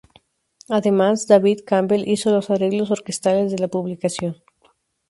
Además, David Campbell hizo los arreglos orquestales de la publicación.